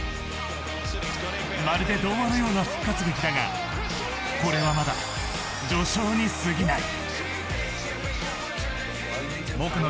まるで童話のような復活劇だがこれはまだ序章に過ぎない。